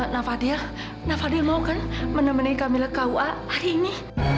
na fadil na fadil mau kan menemani kamilah kua hari ini